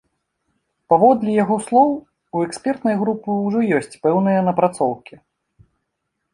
Паводле яго слоў, у экспертнай групы ўжо ёсць пэўныя напрацоўкі.